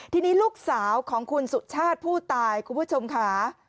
ทีนี้ลูกสาวของคุณสุชาติผู้ตายคุณผู้ชมค่ะ